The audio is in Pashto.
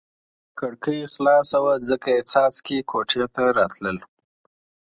کړکۍ خلاصه وه ځکه یې څاڅکي کوټې ته راتلل.